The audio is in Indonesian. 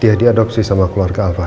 dia juga diadopsi sama keluarga alfahri